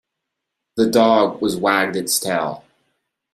The dog was wagged its tail.